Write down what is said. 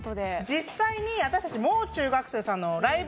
実際に私たち。